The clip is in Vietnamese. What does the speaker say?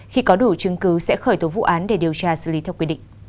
khi có đủ chứng cứ sẽ khởi tố vụ án để điều tra xử lý theo quy định